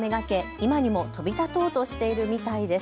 今にも飛び立とうとしているみたいです。